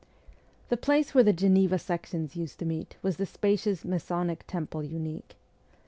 The place where the Geneva sections used to meet was the spacious Masonic Temple Unique.